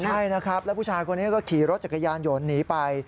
ใช่นะครับแล้วผู้ชายคนนี้ก็ขี่รถจักรยานยนต์หนีไป